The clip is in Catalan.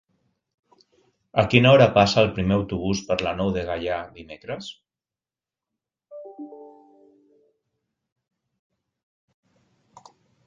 A quina hora passa el primer autobús per la Nou de Gaià dimecres?